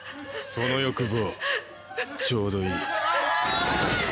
その欲望ちょうどいい。